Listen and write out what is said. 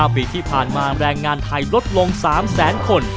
ปีที่ผ่านมาแรงงานไทยลดลง๓แสนคน